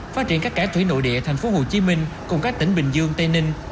phát triển các cái thủy nội địa tp hcm cùng các tỉnh bình dương tây ninh